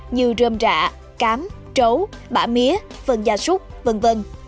như rơm rạ cám trấu bã mía phần gia súc v v